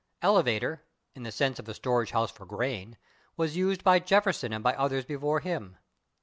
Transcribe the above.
/Elevator/, in the sense of a storage house for grain, was used by Jefferson and by others before him.